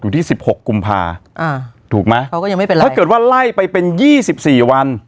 ถ้าว่าไล่ไปเป็น๒๔วัน